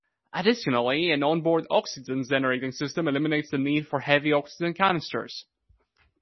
Additionally, an onboard oxygen generating system eliminates the need for heavy oxygen canisters.